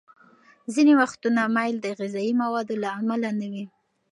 ځینې وختونه میل د غذايي موادو له امله نه وي.